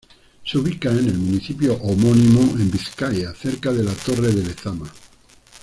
Se ubica en el municipio homónimo, en Vizcaya, cerca de la torre de Lezama.